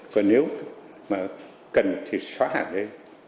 còn nếu mà cần thì xóa hẳn đi